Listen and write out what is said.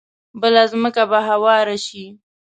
بله ځمکه به هواره شي.